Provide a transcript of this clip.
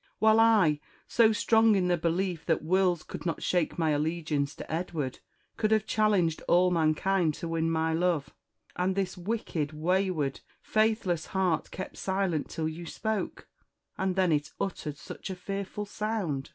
While I, so strong in the belief that worlds could not shake my allegiance to Edward, could have challenged all mankind to win my love; and this wicked, wayward, faithless heart kept silent till you spoke, and then it uttered such a fearful sound!